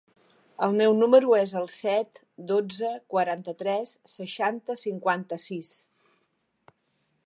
El meu número es el set, dotze, quaranta-tres, seixanta, cinquanta-sis.